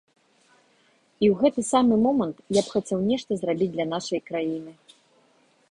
І ў гэты самы момант я б хацеў нешта зрабіць для нашай краіны.